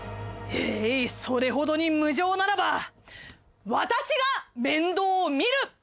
それほどに無情ならば私が面倒を見る！